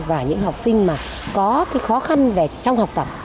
và những học sinh mà có cái khó khăn trong học tập